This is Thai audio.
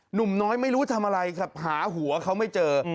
หนุ่มน้อยไม่รู้ทำอะไรครับหาหัวเขาไม่เจอ